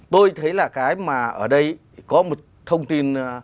tôi thấy là cái mà ở đây có một thông tin